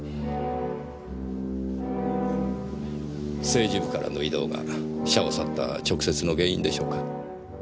政治部からの異動が社を去った直接の原因でしょうか？